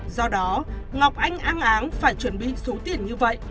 do đó ngọc anh ang áng phải chuẩn bị số tiền như vậy